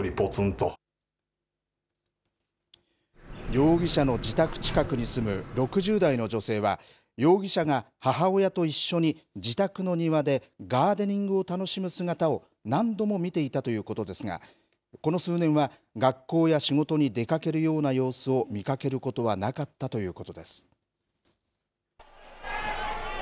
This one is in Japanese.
容疑者の自宅近くに住む６０代の女性は、容疑者が母親と一緒に自宅の庭でガーデニングを楽しむ姿を、何度も見ていたということですが、この数年は、学校や仕事に出かけるような様子を見かけることはなかったということです。